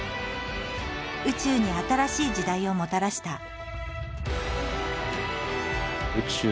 宇宙に新しい時代をもたらした。